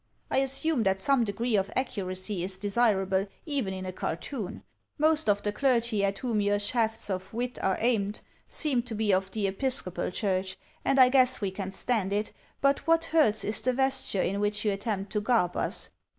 I assume that some degree of accuracy is desirable even in a cartoon. Most of the clergy at whom your shafts of wit are aimed seem to be of the Episcopal Church, and I guess we can stand it, but what hurts is the vesture in which you attempt to garb us.